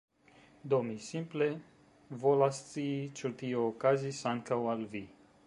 Do mi simple volas scii ĉu tio okazis ankaŭ al vi.